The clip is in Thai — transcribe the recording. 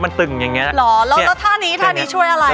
มันตึงอย่างเงี้ยหรอแล้วแล้วท่านี้ท่านี้ช่วยอะไร